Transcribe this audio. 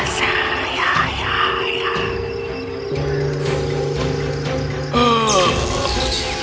saya akan mencari siapa yang bisa membantu